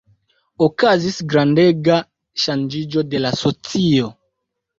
Okazis grandega ŝanĝiĝo de la socio.